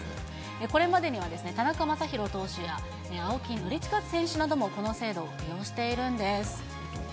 これまでには田中将大投手や、青木宣親選手などもこの制度を利用しているんです。